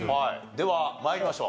では参りましょう。